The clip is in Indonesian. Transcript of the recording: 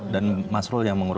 dan masrol yang mengurus